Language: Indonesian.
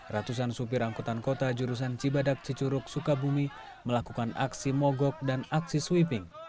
ratusan supir angkutan kota jurusan cibadak cicuruk sukabumi melakukan aksi mogok dan aksi sweeping